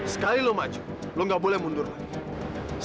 sekali lo maju lo gak boleh mundur lagi